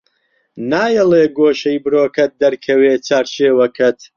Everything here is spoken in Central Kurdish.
نایەڵێ گۆشەی برۆکەت دەرکەوێ چارشێوەکەت